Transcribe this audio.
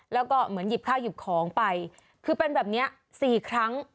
แล้วก็เหมือนหยิบข้าวหยิบของไปคือเป็นแบบนี้๔ครั้ง